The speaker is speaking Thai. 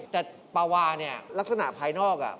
แต่ปลาวาเนี่ยลักษณะภายนอก